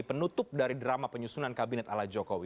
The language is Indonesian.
penutup dari drama penyusunan kabinet ala jokowi